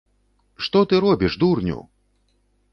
Што ты робіш, дурню?!